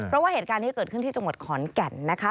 เพราะว่าเหตุการณ์นี้เกิดขึ้นที่จังหวัดขอนแก่นนะคะ